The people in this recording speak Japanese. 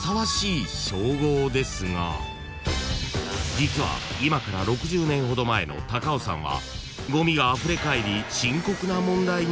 ［実は今から６０年ほど前の高尾山はごみがあふれかえり深刻な問題になっていました］